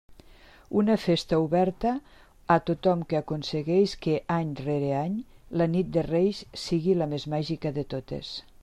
Una festa oberta a tothom que aconsegueix que, any rere any, la nit de Reis sigui la més màgica de totes.